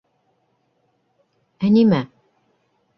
Ә нимә?!